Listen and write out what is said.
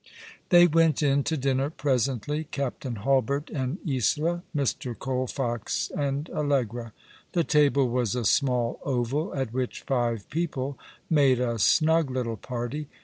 They went in to dinner presently. Captain Hulbert and Isola, Mr. Colfox and Allegra. The table was a small oval, at which five i^eople made a snug little party.